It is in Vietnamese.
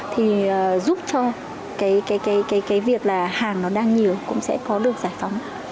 thì giúp cho cái việc là hàng nó đang nhiều cũng sẽ có được giải phóng